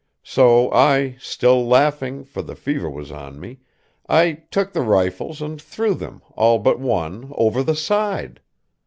So I, still laughing, for the fever was on me; I took the rifles and threw them, all but one, over the side.